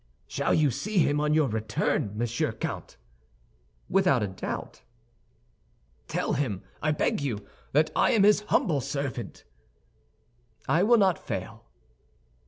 "Shall you see him on your return, Monsieur Count?" "Without a doubt." "Tell him, I beg you, that I am his humble servant." "I will not fail."